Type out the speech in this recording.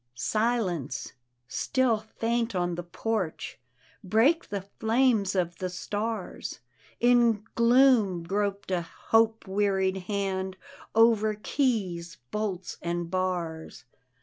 Silence. Still faint on the porch Brake the flames of the stars. In gloom groped a hope wearied hand Over keys, bolts and bars.